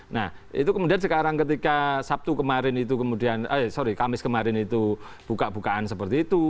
nah itu kemudian sekarang ketika kamis kemarin itu buka bukaan seperti itu